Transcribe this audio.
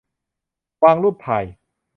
วางรูปถ่าย